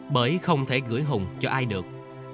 bởi không thể gửi hùng cho ai được